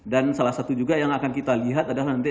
dan salah satu juga yang akan kita lihat adalah nanti